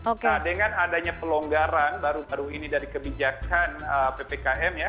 nah dengan adanya pelonggaran baru baru ini dari kebijakan ppkm ya